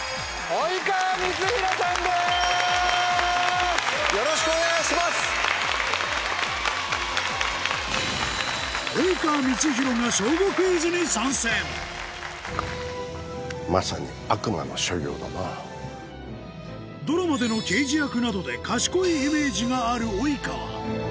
『小５クイズ』にドラマでの刑事役などで賢いイメージがある及川